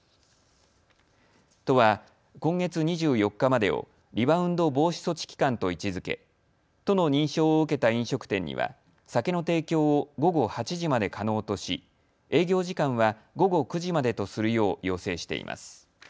都は今月２４日までをリバウンド防止措置期間と位置づけ都の認証を受けた飲食店には酒の提供を午後８時まで可能とし、営業時間は午後９時までとするよう要請しています。